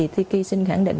tiki xin khẳng định